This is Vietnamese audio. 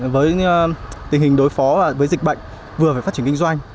với tình hình đối phó với dịch bệnh vừa phải phát triển kinh doanh